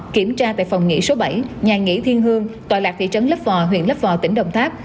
kiểm tra tại phòng nghỉ số bảy nhà nghỉ thiên hương tọa lạc thị trấn lấp vò huyện lấp vò tỉnh đồng tháp